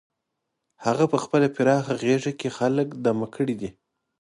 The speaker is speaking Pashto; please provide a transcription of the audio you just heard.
هغه په خپله پراخه غېږه کې خلک دمه کړي دي.